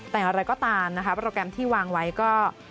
แต่อย่างไรก็ตามนะคะโปรแกรมที่วางไว้ก็